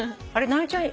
直美ちゃん。